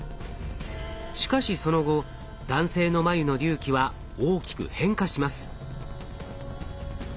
しかしその後男性の眉の隆起は大きく変化します。